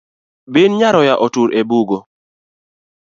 Bin nyaroya otur e bugo.